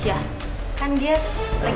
aku yang salah